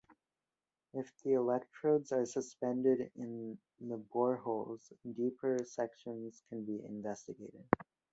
If the electrodes are suspended in the boreholes, deeper sections can be investigated.